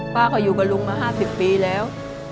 ป้าเขาอยู่กับลุงมา๕๐ปีแล้ว